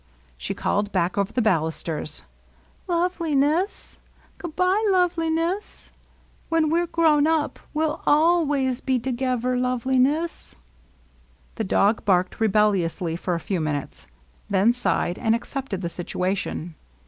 She called back over the balusters :'' Love^ li ness ! Good by, Loveliness ! When we 're grown up, we '11 aZways be togever. Loveliness I " The dog barked rebelliously for a few minutes ; then sighed, and accepted the situation.